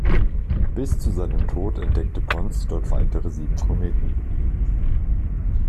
Bis zu seinem Tod entdeckte Pons dort weitere sieben Kometen.